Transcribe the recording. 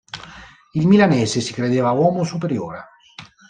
Il milanese si credeva uomo superiore.